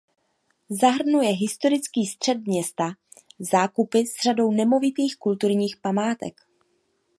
Zahrnuje historický střed města Zákupy s řadou nemovitých kulturních památek.